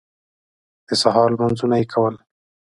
د سهار لمونځونه یې کول.